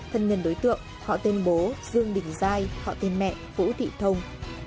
thân nhân đối tượng họ tên bố dương bình giang họ tên mẹ vũ thị thông